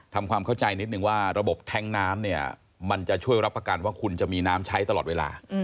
ทำความเข้าใจนิดนึงว่าระบบแท้งน้ำเนี่ยมันจะช่วยรับประกันว่าคุณจะมีน้ำใช้ตลอดเวลา